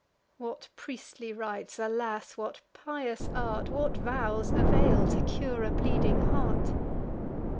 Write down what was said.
What priestly rites, alas! what pious art, What vows avail to cure a bleeding heart!